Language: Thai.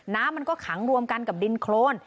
น้ำมันก็ขังรวมกันกับดินโครน